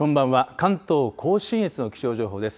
関東甲信越の気象情報です。